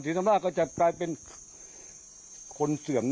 นี่ค่ะคุณผู้ชม